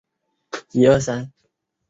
二丁目在洗足池站东侧。